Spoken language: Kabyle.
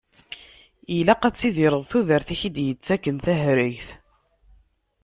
Ilaq ad tidireḍ tudert, i ak-id-yettakken tahregt.